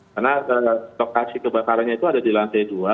karena lokasi kebakarannya itu ada di lantai dua